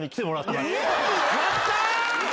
やった！